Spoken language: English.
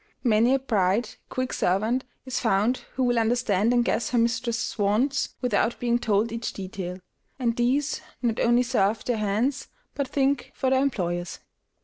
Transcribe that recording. Many a bright, quick servant is found who will understand and guess her mistress's wants without being told each detail, and these not only serve with their hands, but think for their employers.